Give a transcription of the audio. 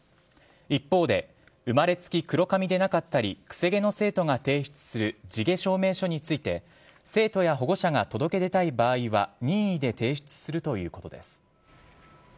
一方で生まれつき黒髪でなかったり癖毛の生徒が提出する地毛証明書について生徒や保護者が届け出たい場合は任意で提出するということです。